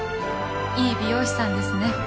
いい美容師さんですね